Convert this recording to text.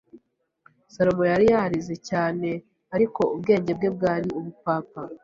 Salomo yari yarize cyane; ariko ubwenge bwe bwari ubupfapfa;